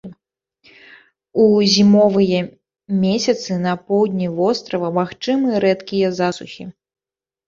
У зімовыя месяцы на поўдні вострава магчымы рэдкія засухі.